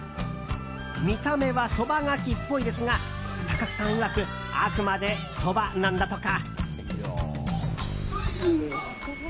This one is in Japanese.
見た目はそばがきっぽいですが高久さんいわくあくまでそばなんだとか。